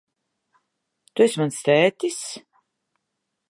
Tu esi mans tētis?